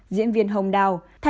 diễn viên hồng đào